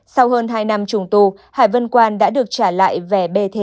sau hơn hai năm trùng tù hải vân quan đã được trả lại vẻ bê thế